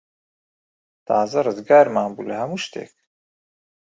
تازە ڕزگارمان بوو لە هەموو شتێک.